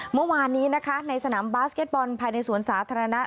เมื่อวานนี้นะคะในสนามบาสเก็ตบอลภายในสวนสาธารณะ